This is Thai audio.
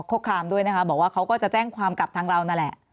ข้อความด้วยนะคะบอกว่าเขาก็จะแจ้งความกลับทางเรานั่นแหละ